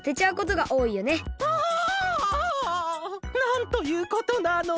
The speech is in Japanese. なんということなの！